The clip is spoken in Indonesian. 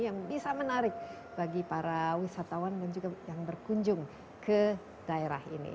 yang bisa menarik bagi para wisatawan dan juga yang berkunjung ke daerah ini